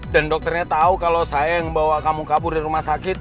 dan dokternya tau kalau saya yang bawa kamu kabur dari rumah sakit